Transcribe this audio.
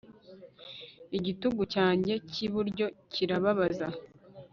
igitugu cyanjye cy'iburyo kirababaza